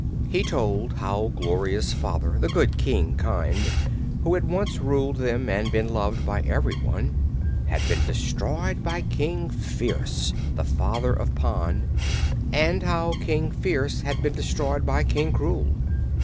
He told how Gloria's father, the good King Kynd, who had once ruled them and been loved by everyone, had been destroyed by King Phearce, the father of Pon, and how King Phearce had been destroyed by King Krewl.